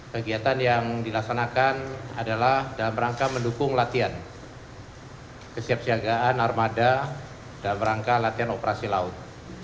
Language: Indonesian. kegiatan yang dilaksanakan adalah dalam rangka mendukung latihan kesiapsiagaan armada dalam rangka latihan operasi laut